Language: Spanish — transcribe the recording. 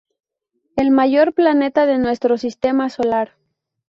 El mayor planeta de nuestro sistema solar.